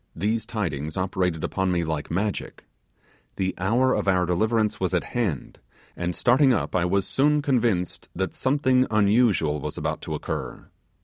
These tidings operated upon me like magic. The hour of our deliverance was at hand, and starting up, I was soon convinced that something unusual was about to occur.